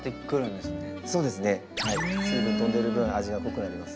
水分とんでる分味が濃くなります。